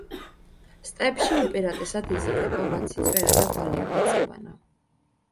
სტეპში უპირატესად იზრდება ვაციწვერა და ვალიური წივანა.